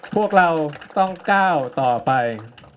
พวกเราต้องก้าวต่อไป